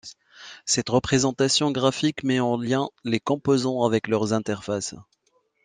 Cette représentation graphique met en lien les composants avec leurs interfaces.